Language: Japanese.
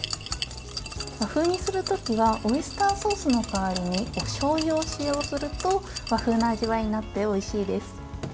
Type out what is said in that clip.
和風にするときはオイスターソースの代わりにおしょうゆを使用すると和風の味わいになっておいしいです。